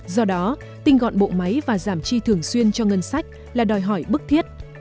do đó tinh gọn bộ máy và giảm chi thường xuyên cho ngân sách là đòi hỏi bức thiết